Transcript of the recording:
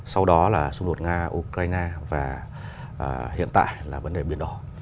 sau đó là xung đột nga ukraine và hiện tại là vấn đề biển đỏ